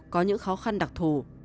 có những khó khăn đặc thù